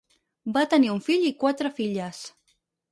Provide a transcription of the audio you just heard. Va tenir un fill i quatre filles.